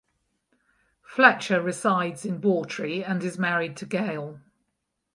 Fletcher resides in Bawtry and is married to Gail.